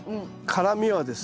辛みはですね